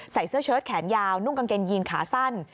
เสื้อเชิดแขนยาวนุ่งกางเกงยีนขาสั้น